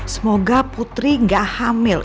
semoga putri gak hamil